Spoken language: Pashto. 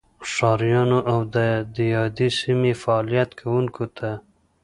ښاریانو او دیادې سیمې فعالیت کوونکو ته